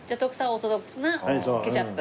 オーソドックスなケチャップ。